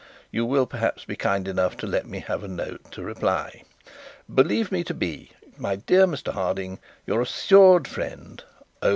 You will, perhaps, be kind enough to give me a note in reply. "Believe me to be, My dear Mr Harding, Your assured friend, OBH.